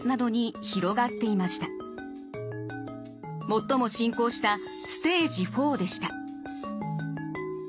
最も進行したステージ４でした。